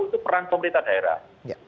itu perang pemerintah daerah